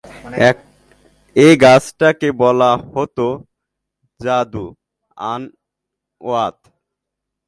এ গাছটাকে বলা হত যাতু আনওয়াত।